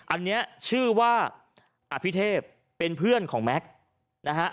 อันนี้ชื่อว่าอภิเทพเป็นเพื่อนของแม็กซ์นะฮะ